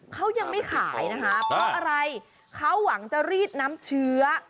เขายังไม่ขายนะคะเพราะอะไรเขาหวังจะรีดน้ำเชื้อ